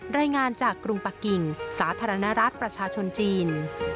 รายงานจากกรุงปะกิ่งสาธารณรัฐประชาชนจีน